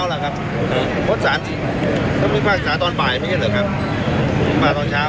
เวลานั้นช่วงเช้าใช่ไหม